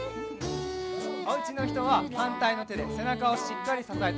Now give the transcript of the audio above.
おうちのひとははんたいのてでせなかをしっかりささえてあげてくださいね。